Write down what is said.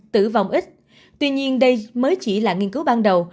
tuy nhiên đây mới chỉ là nghiên cứu ban đầu